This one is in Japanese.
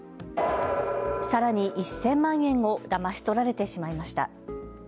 さらに１０００万円をだまし取られてしまいました。